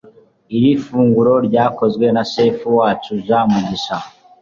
Iri funguro ryakozwe na chef wacu Jean Mugisha